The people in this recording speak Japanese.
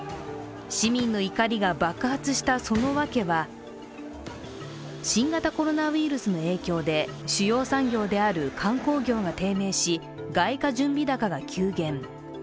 市民の怒りが爆発したその訳は、新型コロナウイルスの影響で主要産業である観光業が低迷し、外貨準備高が急減。